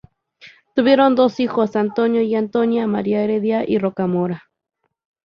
Tuvieron dos hijos, Antonio y Antonia María de Heredia y Rocamora.